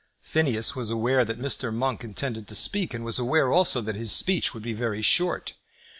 Phineas was aware that Mr. Monk intended to speak, and was aware also that his speech would be very short.